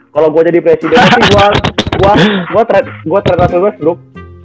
kalau gua jadi presiden sih gua trade gua trade ke westbrook